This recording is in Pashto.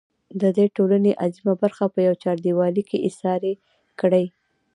د دې ټـولنې اعظـيمه بـرخـه پـه يـوه چـارديـوالي کـې اېـسارې کـړي.